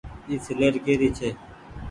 اي سيليٽ ڪي ري ڇي۔